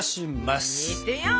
いってみよう！